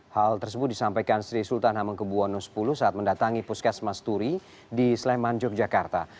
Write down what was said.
hal tersebut disampaikan sri sultan hamengkebuwono x saat mendatangi puskesmas turi di sleman yogyakarta